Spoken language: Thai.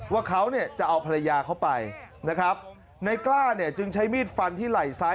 ว่าเขาเนี่ยจะเอาภรรยาเข้าไปนะครับในกล้าเนี่ยจึงใช้มีดฟันที่ไหล่ซ้าย